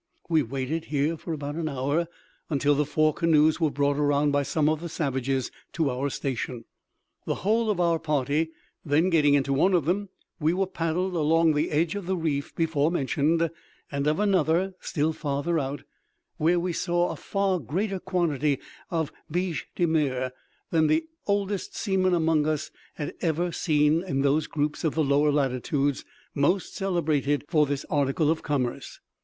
We waited here for about an hour, until the four canoes were brought around by some of the savages to our station. The whole of our party then getting into one of them, we were paddled along the edge of the reef before mentioned, and of another still farther out, where we saw a far greater quantity of biche de mer than the oldest seamen among us had ever seen in those groups of the lower latitudes most celebrated for this article of commerce.